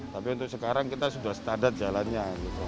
tapi untuk sekarang kita sudah standar jalannya